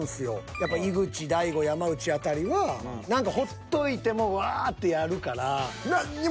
やっぱ井口大悟山内辺りは何かほっといてもわあってやるから。